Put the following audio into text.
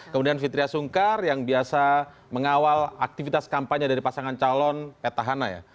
kemudian fitriah sungkar yang biasa mengawal aktivitas kampanye dari pasangan calon petahana ya